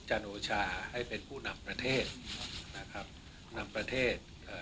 จันโอชาให้เป็นผู้นำประเทศนะครับนำประเทศเอ่อ